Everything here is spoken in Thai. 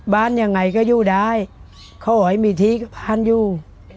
บ้านยังไงก็อยู่ได้เค้าไหวมีทีก็พันอยู่